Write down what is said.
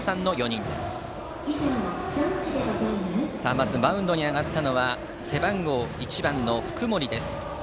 まず、マウンドに上がったのは背番号１番の福盛です。